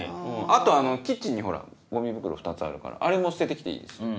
あとキッチンにゴミ袋２つあるからあれも捨てて来ていいですよ。